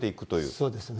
そうですね。